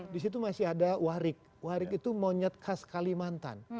di situ masih ada warik warik itu monyet khas kalimantan